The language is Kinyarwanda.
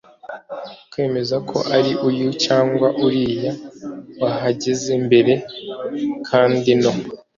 kwemeza ko ari uyu cyangwa uriya wahageze mbere. kandi no